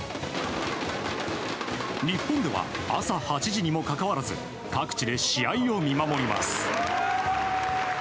日本では朝８時にもかかわらず各地で試合を見守ります。